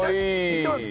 いってます。